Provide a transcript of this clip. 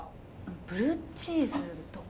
ブルーチーズとか。